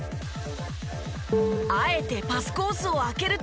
あえてパスコースを空けると。